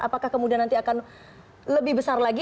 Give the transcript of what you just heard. apakah kemudian nanti akan lebih besar lagi